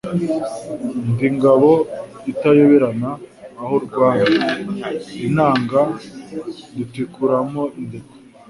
ndi Ngabo itayoberana aho rwamye, inanga ndutikura mo indekwe.